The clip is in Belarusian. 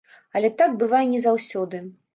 Але так бывае не заўсёды.